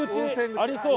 ありそう。